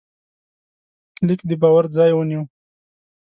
لیک د باور ځای ونیو.